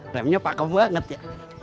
remnya pakem banget ya